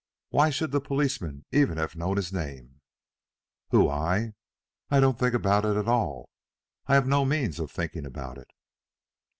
Why should the policeman even have known his name? "Who? I? I don't think about it at all. I have no means of thinking about it."